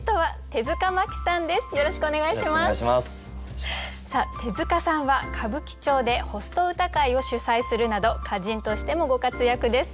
手塚さんは歌舞伎町でホスト歌会を主宰するなど歌人としてもご活躍です。